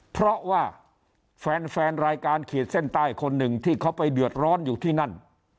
เพราะว่าแฟนรายการขีดเส้นใต้คนหนึ่งที่เขาไปเดือดร้อนอยู่ที่นั่น